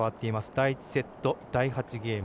第１セット第８ゲーム。